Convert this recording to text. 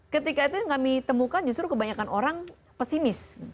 ketika itu yang kami temukan justru kebanyakan orang pesimis